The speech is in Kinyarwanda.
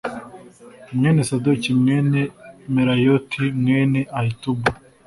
mwene sadoki mwene merayoti mwene ahitubu